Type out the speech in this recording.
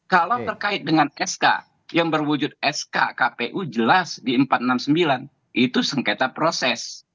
kalau terkait dengan sk yang berwujud sk kpu jelas di empat ratus enam puluh sembilan itu sengketa proses